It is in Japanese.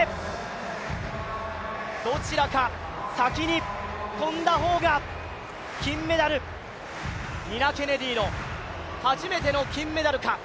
どちらか先に跳んだ方が金メダル、ニナ・ケネディの初めての金メダルか。